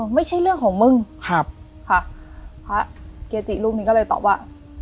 ไม่ใช่เรื่องของมึงครับค่ะพระเกจิรูปนี้ก็เลยตอบว่า